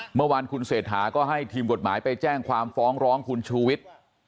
เมื่อวานคุณเศรษฐาก็ให้ทีมกฎหมายไปแจ้งความฟ้องร้องคุณชูวิทย์